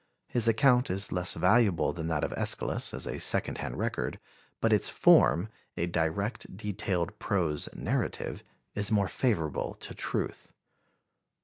His account is less valuable than that of Æschylus as a second hand record, but its form a direct, detailed prose narrative is more favorable to truth.